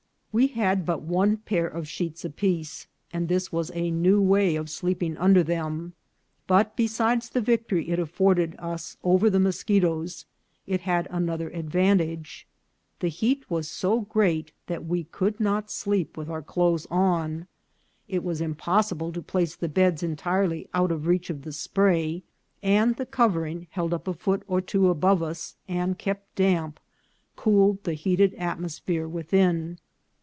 We had but one pair of sheets apiece, and this was a new way of sleeping under them ; but, besides the victory it afforded us over the moschetoes, it had another advantage ; the heat was so great that we could not sleep with our clothes on ; it was impos sible to place the beds entirely out of the reach of the spray, and the covering, held up a foot or two above us and kept damp, cooled the heated atmosphere within.